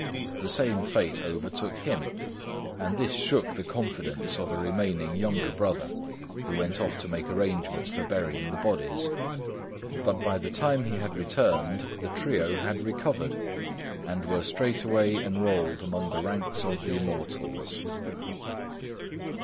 The same fate overtook him, and this shook the confidence of a remaining younger brother, who went off to make arrangements for burying the bodies. But by the time he had returned the trio had recovered, and were straightway enrolled among the ranks of the immortals.